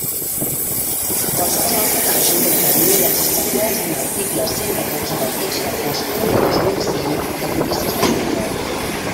Qualsevol altra que la Junta determini dels establerts en l'article cent catorze del Text Refós u de dos mil cinc, de vint-i-sis de juliol.